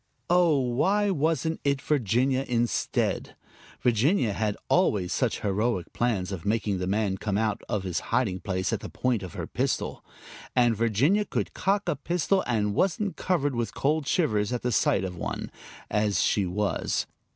Oh, why wasn't it Virginia instead? Virginia had always had such heroic plans of making the man come out of his hiding place at the point of her pistol; and Virginia could cock a pistol and wasn't covered with cold shivers at the sight of one, as she was.